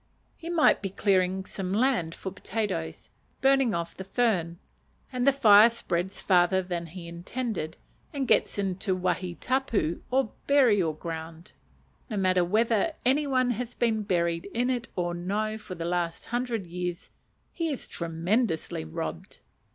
He might be clearing some land for potatoes, burning off the fern, and the fire spreads farther than he intended, and gets into a wahi tapu or burial ground. No matter whether any one has been buried in it or no for the last hundred years: he is tremendously robbed.